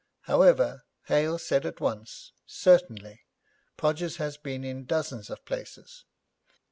However, Hale said at once, 'Certainly. Podgers has been in dozens of places.'